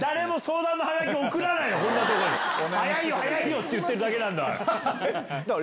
「早いよ早いよ」って言ってるだけなんだから。